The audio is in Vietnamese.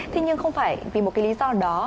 thế nhưng không phải vì một cái lý do đó